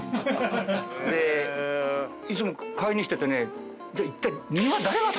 いつも買いに来ててねじゃあいったい。